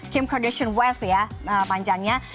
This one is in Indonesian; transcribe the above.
kim kardation west ya panjangnya